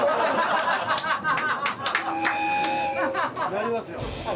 なりますよ。